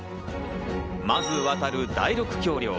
まず渡る第六橋梁。